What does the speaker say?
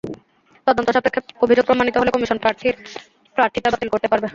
তদন্ত সাপেক্ষে অভিযোগ প্রমাণিত হলে কমিশন প্রার্থীর প্রার্থিতা বাতিল করতে পারবে।